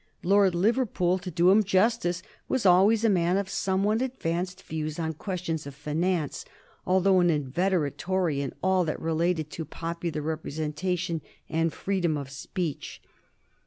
Lord Liverpool, to do him justice, was always a man of somewhat advanced views on questions of finance, although an inveterate Tory in all that related to popular representation and freedom of speech.